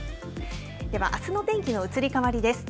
では、あすの天気の移り変わりです。